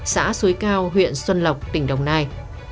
xã xuối cao huyện xuân lộc tỉnh đồng nai